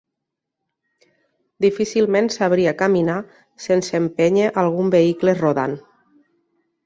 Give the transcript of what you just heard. Difícilment sabria caminar sense empènyer algun vehicle rodant.